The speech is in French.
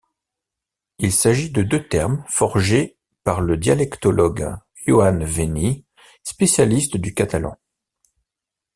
Il s'agit de deux termes forgés par le dialectologue Joan Veny, spécialiste du catalan.